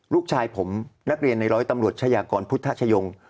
ลูกชายผมนักเรียนในร้อยตำรวจชายากรพุทธชยง